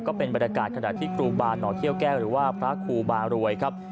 ก็เป็นบรรยากาศขณะที่ครูบาหน่อเขี้ยวแก้วหรือว่าพระครูบารวยครับ